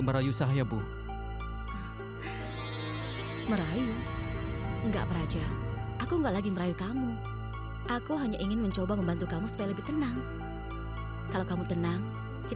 aku sangat mengerti keadaan yang kamu alami